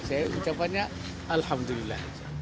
saya ucapannya alhamdulillah